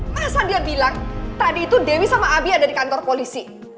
masa dia bilang tadi itu dewi sama abi ada di kantor polisi